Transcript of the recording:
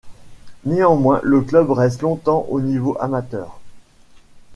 Néanmoins, le club reste longtemps au niveau amateur.